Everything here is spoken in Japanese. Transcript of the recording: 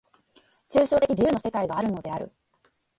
抽象的自由の世界があるのである。